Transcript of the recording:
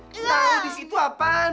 tau di situ apaan